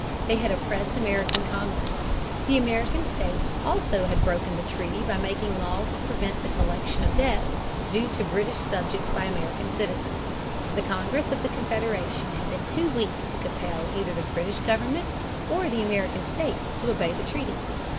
They had oppressed American commerce. The American states also had broken the treaty by making laws to prevent the collection of debts due to British subjects by American citizens. The Congress of the Confederation had been too weak to compel either the British government or the American states to obey the treaty.